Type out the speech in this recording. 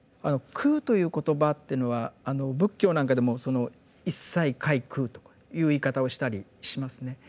「空」という言葉っていうのはあの仏教なんかでもその「一切皆空」という言い方をしたりしますね。